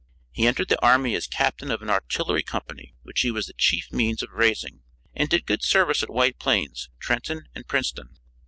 He entered the army as captain of an artillery company which he was the chief means of raising, and did good service at White Plains, Trenton and Princeton.